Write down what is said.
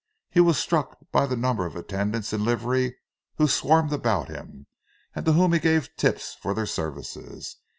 He was struck by the number of attendants in livery who swarmed about him, and to whom he gave tips for their services.